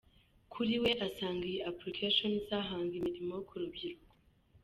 Kuri we asanga iyi Application izahanga imirimo ku rubyiruko.